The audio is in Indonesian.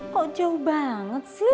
kok jauh banget sih